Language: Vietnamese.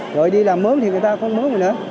rồi đi làm mướn thì người ta không mướn mình nữa